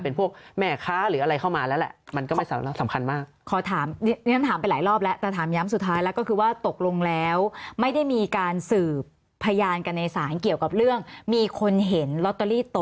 เป็นพวกแม่ค้าหรืออะไรเข้ามาแล้วแหละ